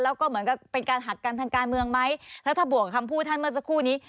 แล้วก็เหมือนกับเป็นการหักกันทางการเมืองไหมแล้วถ้าบวกคำพูดท่านเมื่อสักครู่นี้